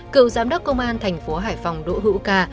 cựu giám đốc công an thành phố hải phòng đỗ hữu ca